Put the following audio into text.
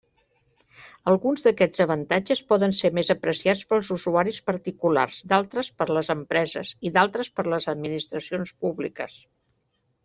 Alguns d'aquests avantatges poden ser més apreciats pels usuaris particulars, d'altres per les empreses i d'altres per les administracions públiques.